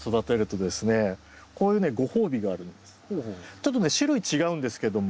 ちょっとね種類違うんですけども。